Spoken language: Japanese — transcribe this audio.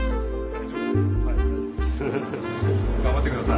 頑張って下さい。